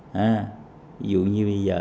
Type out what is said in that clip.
ví dụ như bây giờ